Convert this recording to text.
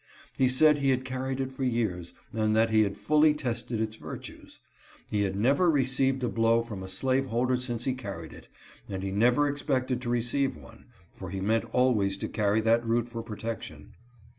He said he had carried it for years, and that he had fully tested its virtues. He had never received a blow from a slave holder since he carried it, and he never expected to receive one, for he meant always to carry that root for protection.